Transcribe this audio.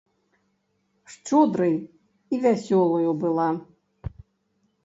Шчодрай і вясёлаю была.